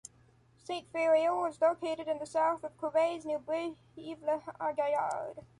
Sainte-Féréole is located in the south of Corrèze near Brive-La-Gaillarde.